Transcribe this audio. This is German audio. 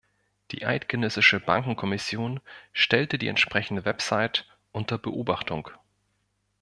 Die Eidgenössische Bankenkommission stellte die entsprechende Website unter Beobachtung.